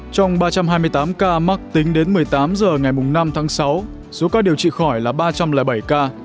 trong ba trăm hai mươi tám ca mắc tính đến một mươi tám h ngày năm tháng sáu số ca điều trị khỏi là ba trăm linh bảy ca